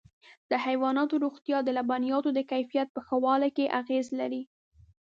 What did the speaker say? د حيواناتو روغتیا د لبنیاتو د کیفیت په ښه والي کې اغېز لري.